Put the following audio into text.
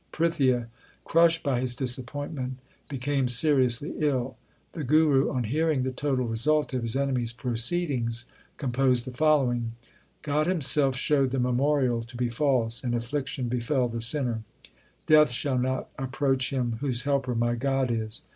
Prithia, crushed by his disappointment, became seriously ill. The Guru, on hearing the total result of his enemy s proceedings, composed the following : God Himself showed the memorial to be false, And affliction befell the sinner. Death shall not approach him Whose helper my God is.